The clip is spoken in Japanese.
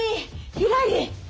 ひらり！